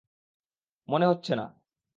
মনে তো হচ্ছে না।